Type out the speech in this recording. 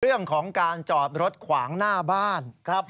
เรื่องของการจอดรถขวางหน้าบ้านครับ